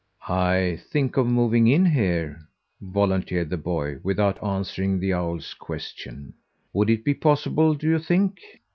"I think of moving in here," volunteered the boy without answering the owl's question. "Would it be possible, do you think?"